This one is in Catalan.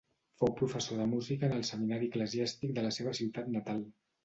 Fou professor de música en el seminari eclesiàstic de la seva ciutat natal.